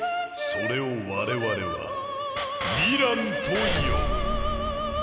それを我々は「ヴィラン」と呼ぶ。